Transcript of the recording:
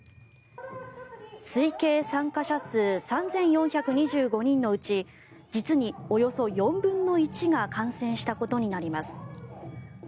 推計参加者数３４２５人のうち実におよそ４分の１が感染したことになります。